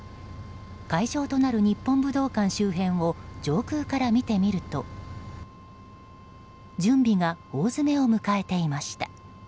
会場となる日本武道館周辺を上空から見てみると準備が大詰めを迎えていました。